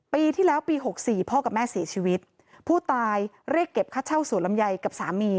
ปีที่แล้วปีหกสี่พ่อกับแม่เสียชีวิตผู้ตายเรียกเก็บค่าเช่าสวนลำไยกับสามี